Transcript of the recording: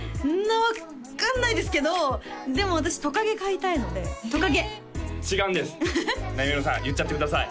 分かんないですけどでも私トカゲ飼いたいのでトカゲ違うんですなみめろさん言っちゃってください